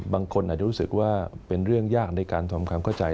บางคนอาจจะรู้สึกว่าเป็นเรื่องยากในการทำความเข้าใจ